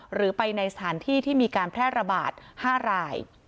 หรือไปในสถานที่ที่มีการแพร่ระบาด๕ราย